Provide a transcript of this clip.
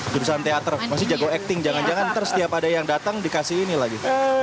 jurusan teater pasti jago acting jangan jangan ntar setiap ada yang datang dikasih ini lagi